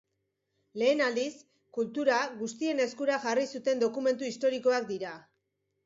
Lehen aldiz, kultura guztien eskura jarri zuten dokumentu historikoak dira.